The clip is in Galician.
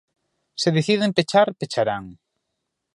Se deciden pechar, pecharán.